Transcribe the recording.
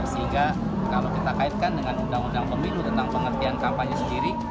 sehingga kalau kita kaitkan dengan undang undang pemilu tentang pengertian kampanye sendiri